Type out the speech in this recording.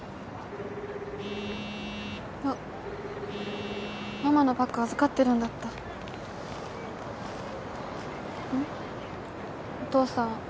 あっママのバッグ預かってるんだったうん？